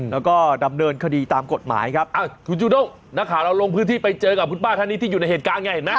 แล้วก็ดำเนินคดีตามกฎหมายครับอ้าวคุณจูด้งนักข่าวเราลงพื้นที่ไปเจอกับคุณป้าท่านนี้ที่อยู่ในเหตุการณ์ไงเห็นไหม